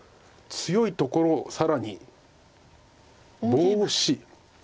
強いところを更にボウシ。